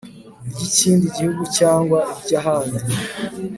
ry ikindi gihugu cyangwa ry ahandi